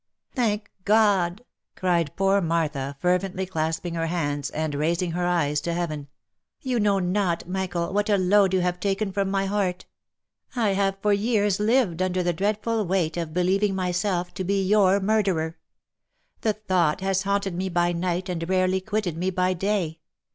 " Thank God !" cried poor Martha, fervently, clasping her hands, and raising her eyes to heaven, " you know not, Michael, what a load you have taken from my heart ! I have for years lived under the dreadful weight of believing myself to be your murderer. The thought has haunted me by night, and rarely quitted me by day.